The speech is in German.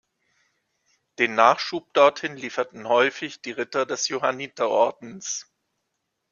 Den Nachschub dorthin lieferten häufig die Ritter des Johanniterordens.